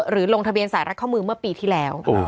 ลงทะเบียนสายรัดข้อมือเมื่อปีที่แล้ว